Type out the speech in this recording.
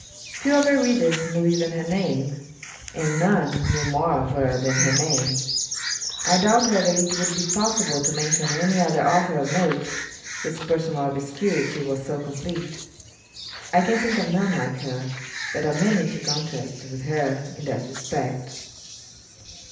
Few of her readers knew even her name, and none knew more of her than her name. I doubt whether it would be possible to mention any other author of note, whose personal obscurity was so complete. I can think of none like her, but of many to contrast with her in that respect.